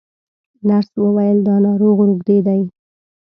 نرس وویل دا ناروغ روږدی دی.